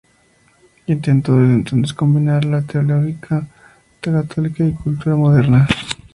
Intentó desde entonces combinar la teología católica y la cultura moderna.